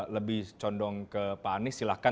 lebih condong ke pak anies silahkan